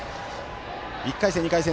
１回戦、２回戦